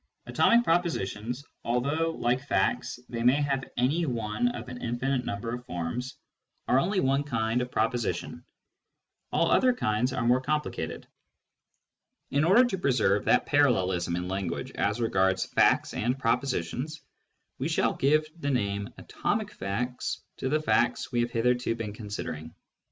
Atomic propositions, although, like facts, they may have any one of an infinite number of forms, are only one kind of propositions. All other kinds are Digitized by Google LOGIC AS THE ESSENCE OF PHILOSOPHY 53 more complicated. In order to preserve the parallelism in language as regards facts and propositions, we shall give the name "atomic facts" to the facts we have hitherto been considering.